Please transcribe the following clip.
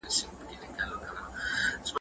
ټولنیزې اړیکې د یوې سالمې ټولنې نښه ده.